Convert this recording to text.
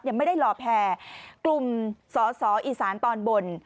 ไม่ได้หล่อแพร่กลุ่มสอสออีสานตอนบน